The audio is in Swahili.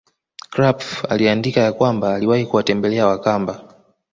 Krapf aliandika ya kwamba aliwahi kuwatembela Wakamba